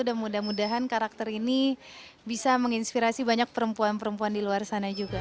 dan mudah mudahan karakter ini bisa menginspirasi banyak perempuan perempuan di luar sana juga